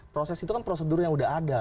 proses itu kan prosedur yang udah ada